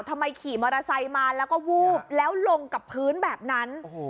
ขี่มอเตอร์ไซค์มาแล้วก็วูบแล้วลงกับพื้นแบบนั้น